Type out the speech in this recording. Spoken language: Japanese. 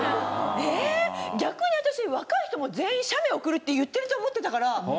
えーっ逆に私若い人も全員写メ送るって言ってると思ってたから。